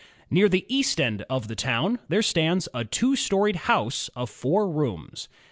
Near the east end of the town there stands a two storied house of four rooms.